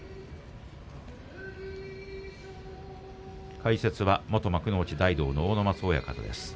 解説は元幕内大道の阿武松親方です。